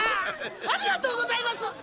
ありがとうございます！